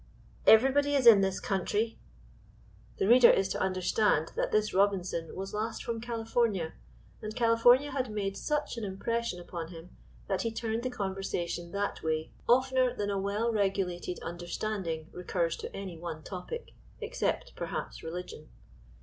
"Everybody is in this country." The reader is to understand that this Robinson was last from California; and California had made such an impression upon him, that he turned the conversation that way oftener than a well regulated understanding recurs to any one topic, except, perhaps, religion.